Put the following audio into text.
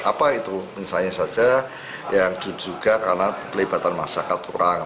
apa itu misalnya saja yang diduga karena pelibatan masyarakat kurang